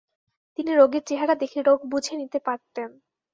তিনি রোগীর চেহারা দেখে রোগ বুঝে নিতে পারতেন।